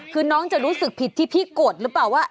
คือน้องจะรู้สึกผิดที่พี่โกรธหรือเปล่าว่า